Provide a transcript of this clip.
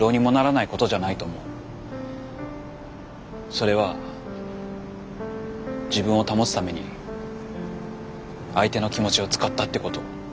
それは自分を保つために相手の気持ちを使ったってこと。